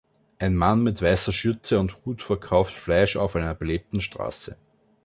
Ein Mann mit weißer Schürze und Hut verkauft Fleisch auf einer belebten Straße.